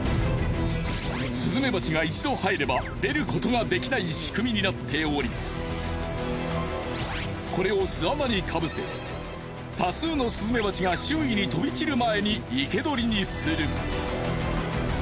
スズメバチが一度入れば出ることができない仕組みになっておりこれを巣穴にかぶせ多数のスズメバチが周囲に飛び散る前に生け捕りにする。